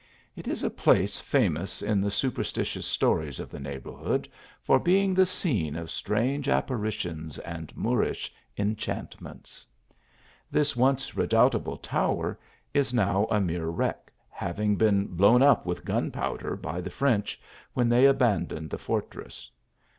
It is a place famous in the super stitious stories of the neighbourhood, for being the scene OL strange apparitions and Moorish enchant ments. This once redoubtable tower is now a mere wreck, having been blown up with gunpowder, by the French, when they abandoned the fortress.